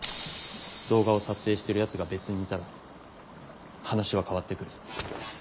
動画を撮影してるやつが別にいたら話は変わってくる。